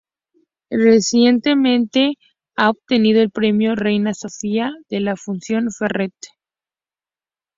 Recientemente ha obtenido el Premio Reina Sofía de la Fundació Ferrer-Salat.